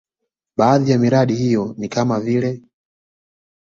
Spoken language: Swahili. Baadhi ya miradi hiyo ni kama vile